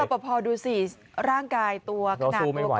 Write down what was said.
แล้วรับประพอดูสิร่างกายตัวขนาดตัวก็เล็กกว่า